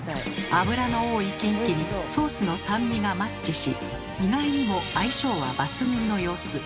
脂の多いキンキにソースの酸味がマッチし意外にも相性は抜群の様子。